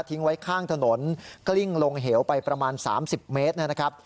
ไว้ข้างถนนกลิ้งลงเหวไปประมาณ๓๐เมตรนะครับ